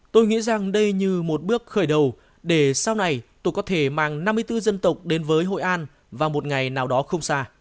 tôi nghĩ rằng đây như một bước khởi đầu để sau này tôi có thể mang năm mươi bốn dân tộc đến với hội an vào một ngày nào đó không xa